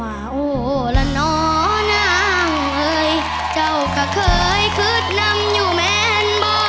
ว่าโอ้โอร่ระนอโน้งเอยเจอกะเคยขึดนำอยู่แม้บอ